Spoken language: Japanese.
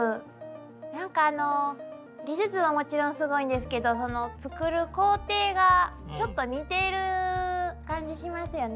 なんかあの技術はもちろんすごいんですけど作る工程がちょっと似てる感じしますよね。